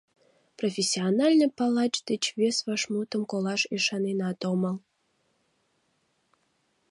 Профессиональный палач деч вес вашмутым колаш ӱшаненат омыл.